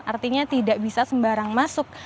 artinya tidak bisa sembarang masuk